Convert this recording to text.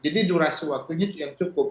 jadi durasi waktunya itu yang cukup